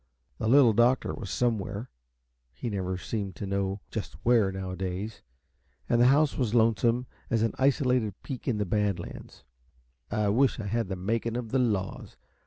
The Little Doctor was somewhere he never seemed to know just where, nowadays and the house was lonesome as an isolated peak in the Bad Lands. "I wish I had the making of the laws.